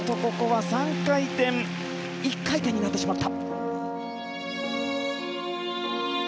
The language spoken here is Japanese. ３回転、１回転になってしまった。